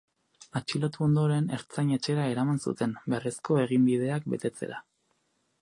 Atxilotu ondoren, ertzain-etxera eraman zuten, beharrezko eginbideak betetzera.